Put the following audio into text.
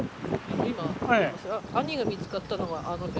兄が見つかったのはあの辺。